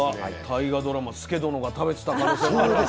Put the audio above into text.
大河ドラマ佐殿が食べてた可能性があるわけ？